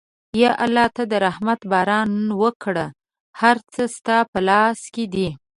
یا الله ته د رحمت باران وکړه، هر څه ستا په لاس کې دي.